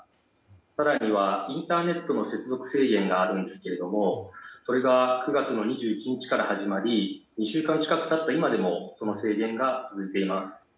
更には、インターネットの接続制限があるんですがそれが９月２１日から始まり２週間近く経った今でもその制限が続いています。